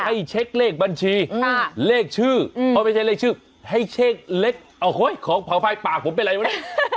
ให้เช็คเลขบัญชีเลขชื่อเพราะไม่ใช่เลขชื่อให้เช็คเลขของเผาอภัยปากผมเป็นอะไรวะเนี่ย